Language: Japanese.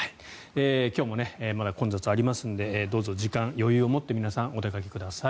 今日もまだ混雑はありますのでどうぞ時間に余裕を持って皆さんお出かけください。